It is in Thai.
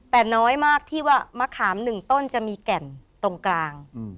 แต่น้อยมากที่ว่ามะขาม๑ต้นจะมีแก่นตรงกลาง